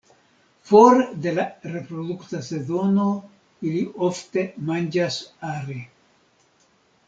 For de la reprodukta sezono, ili ofte manĝas are.